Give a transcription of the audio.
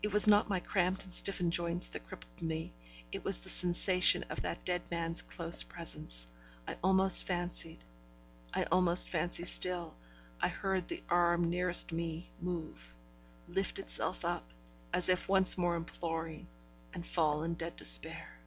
It was not my cramped and stiffened joints that crippled me, it was the sensation of that dead man's close presence. I almost fancied I almost fancy still I heard the arm nearest to me move; lift itself up, as if once more imploring, and fall in dead despair.